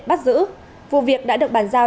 bắt giữ vụ việc đã được bàn giao